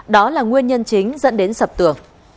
đó là nguyên nhân chính dẫn đến sập tường